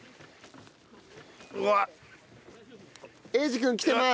英二君きてます。